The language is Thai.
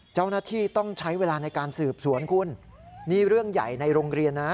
เจ้าหน้าที่ต้องใช้เวลาในการสืบสวนคุณนี่เรื่องใหญ่ในโรงเรียนนะ